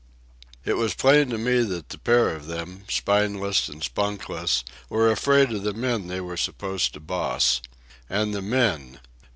It was plain to me that the pair of them, spineless and spunkless, were afraid of the men they were supposed to boss. And the men!